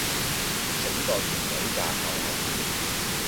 整個團隊架構係點?